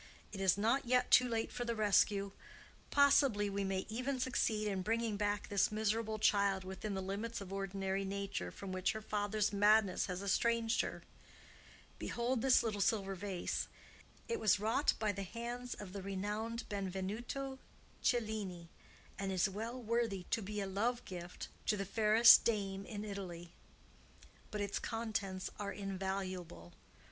It is not yet too late for the rescue. Possibly we may even succeed in bringing back this miserable child within the limits of ordinary nature, from which her father's madness has estranged her. Behold this little silver vase! It was wrought by the hands of the renowned Benvenuto Cellini, and is well worthy to be a love gift to the fairest dame in Italy. But its contents are invaluable.